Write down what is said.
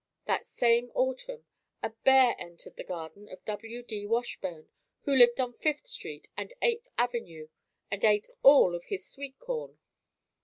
That same autumn a bear entered the garden of W. D. Washburn, who lived on Fifth Street and Eighth Avenue and ate all of his sweet corn.